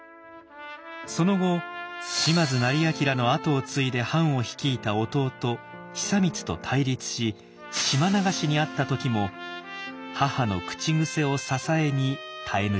その後島津斉彬の跡を継いで藩を率いた弟久光と対立し島流しに遭った時も母の口癖を支えに耐え抜きます。